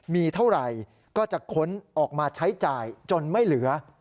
มีเท่าไหร่ก็จะค้นออกมาใช้จ่ายจนไม่เหลือ